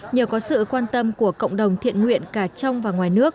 nhờ có sự quan tâm của cộng đồng thiện nguyện cả trong và ngoài nước